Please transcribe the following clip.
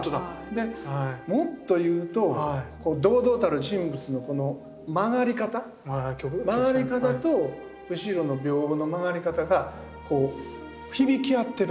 でもっと言うと堂々たる人物のこの曲がり方曲がり方と後ろの屏風の曲がり方がこう響き合ってるんですよ。